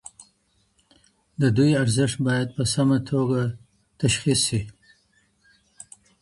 د دوی ارزښت بايد په سمه توګه تشخيص سي.